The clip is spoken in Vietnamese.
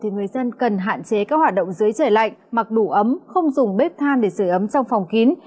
người dân cần hạn chế các hoạt động dưới trời lạnh mặc đủ ấm không dùng bếp than để sửa ấm trong phòng kín